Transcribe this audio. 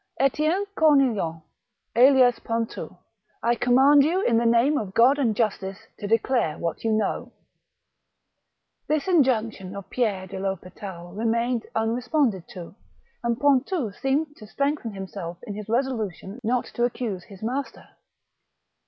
" Etienne Cornillant, alias Pontou, I command you in the name of God and of justice, to declare what you know." This injunction of Pierre de I'Hospital remained unresponded to, and Pontou seemed to strengthen himself in his resolution not to accuse his master.